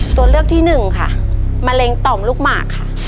ตัวเลือกที่หนึ่งค่ะมะเร็งต่อมลูกหมากค่ะ